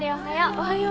おはよう